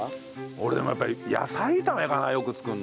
俺でもやっぱり野菜炒めかなよく作るの。